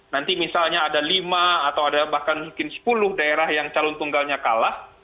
nanti misalnya ada lima atau ada bahkan mungkin sepuluh daerah yang calon tunggalnya kalah